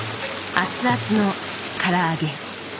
熱々のから揚げ。